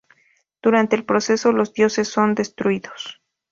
Durante el proceso, los dioses son destruidos.